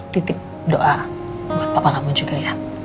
titip doa buat papa kamu juga ya